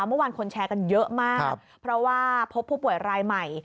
เมื่อวานคนแชร์กันเยอะมากเพราะว่าพบผู้ป่วยรายใหม่